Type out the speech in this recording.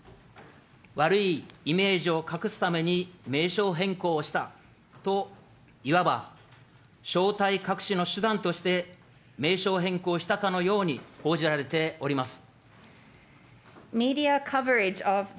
悪いイメージを隠すために名称変更したと、いわば正体隠しの手段として名称変更したかのように報じられております。